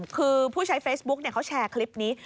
คือผู้ใช้เฟซบุ๊คเขาแชร์คลิปนี้